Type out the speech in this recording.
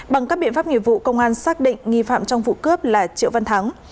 bằng các biện pháp nghiệp vụ công an xác định nghi phạm trong vụ cướp là triệu văn thắng